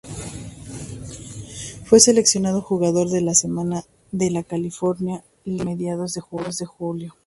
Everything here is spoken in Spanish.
Fue seleccionado Jugador de la Semana de la California League a mediados de julio.